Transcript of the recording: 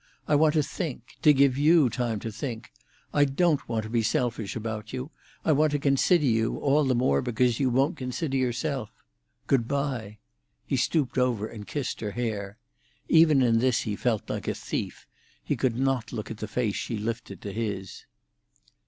I want to think—to give you time to think. I don't want to be selfish about you—I want to consider you, all the more because you won't consider yourself. Good bye." He stooped over and kissed her hair. Even in this he felt like a thief; he could not look at the face she lifted to his.